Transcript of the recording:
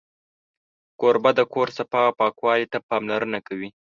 کوربه د کور صفا او پاکوالي ته پاملرنه کوي.